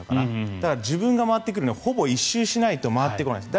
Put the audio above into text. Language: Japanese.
だから自分が回ってくるのほぼ１周しないと回ってこないんです。